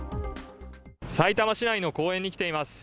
さいたま市内の公園に来ています。